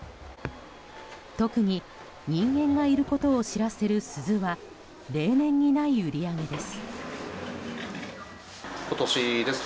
特に人間がいることを知らせる鈴は例年にない売り上げです。